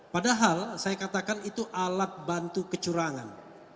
padahal saya katakan itu alat bantu kecurangan